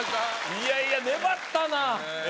いやいや粘ったなええ